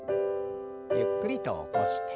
ゆっくりと起こして。